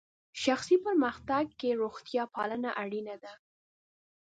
شخصي پرمختګ کې روغتیا پالنه اړینه ده.